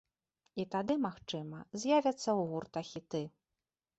І тады, магчыма, з'явяцца ў гурта хіты.